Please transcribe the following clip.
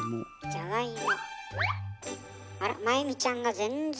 じゃがいも